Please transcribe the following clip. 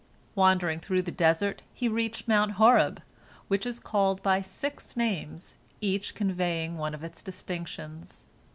Wandering through the desert, he reached Mount Horeb, which is called by six names, each conveying one of its distinctions.